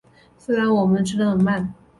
虽然我们吃很慢